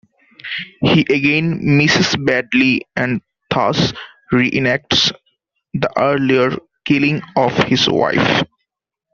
He again misses badly and thus re-enacts the earlier killing of his wife.